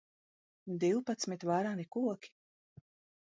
Divpadsmit vareni koki.